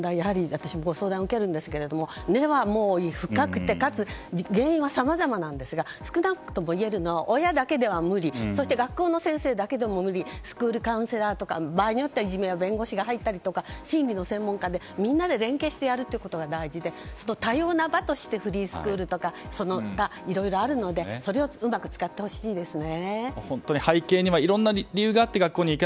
私もご相談を受けるんですけど根は深くて原因はさまざまなんですが少なくともいえるのは親だけでは無理そして学校の先生だけでも無理スクールカウンセラーとか場合によってはいじめの弁護士が入ったりとか心理の専門家で、みんなで連携してやることが大事で多様な場としてフリースクールなどいろいろあるのでそれをうまく使ってほしいですね。